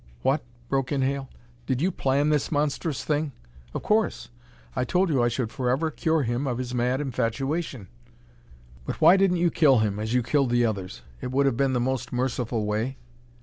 "What!" broke in Hale. "Did you plan this monstrous thing?" "Of course! I told you I should forever cure him of his mad infatuation." "But why didn't you kill him, as you killed the others? It would have been the most merciful way."